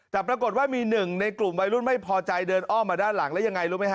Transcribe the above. แต่ปรากฏว่ามีหนึ่งในกลุ่มวัยรุ่นไม่พอใจเดินอ้อมมาด้านหลังแล้วยังไงรู้ไหมฮ